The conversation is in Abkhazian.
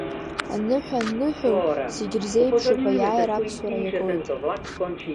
Аныҳәа анныҳәоу зегьы ирзеиԥшуп, аиааира Аԥсуара иагоит.